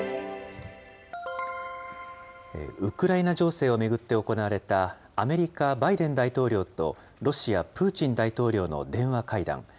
ウクライナ情勢を巡って行われたアメリカ、バイデン大統領とロシア、プーチン大統領の電話会談。